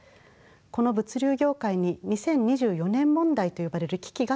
この物流業界に２０２４年問題と呼ばれる危機が迫っています。